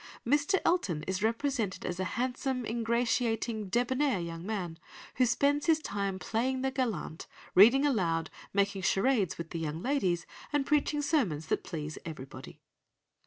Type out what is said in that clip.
Mr. Elton is represented as a handsome, ingratiating, debonair young man, who spends his time playing the gallant, reading aloud, making charades with the young ladies, and preaching sermons that please everybody.